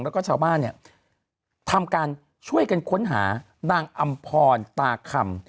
แล้วก็ชาวบ้านเนี่ยทำการช่วยกันค้นหานางอำพรตาคำ